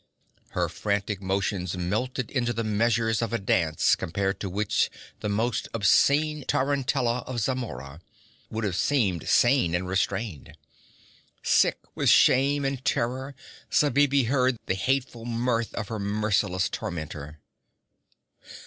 Her frantic motions melted into the measures of a dance compared to which the most obscene tarantella of Zamora would have seemed sane and restrained. Sick with shame and terror Zabibi heard the hateful mirth of her merciless tormentor.